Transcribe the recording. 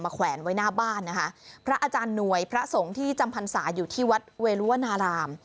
แขวนไว้หน้าบ้านนะคะพระอาจารย์หน่วยพระสงฆ์ที่จำพรรษาอยู่ที่วัดเวรุวนาราม